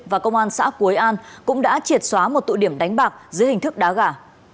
và công an xã quế an cũng đã triệt xóa một tụ điểm đánh bạc dưới hình thức đá gà